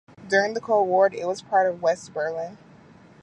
During the Cold War, it was part of West Berlin.